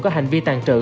có hành vi tàn trữ